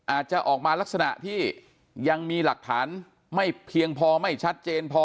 อาจจะออกมาลักษณะที่ยังมีหลักฐานไม่เพียงพอไม่ชัดเจนพอ